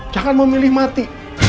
jangan memilih mati